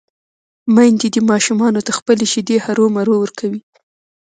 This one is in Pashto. ميندې دې ماشومانو ته خپلې شېدې هرومرو ورکوي